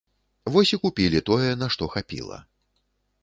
Вось і купілі тое, на што хапіла.